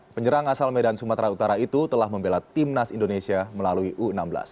penyerang asal medan sumatera utara itu telah membela timnas indonesia melalui u enam belas